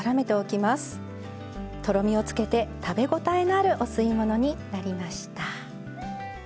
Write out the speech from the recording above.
とろみをつけて食べ応えのあるお吸い物になりました。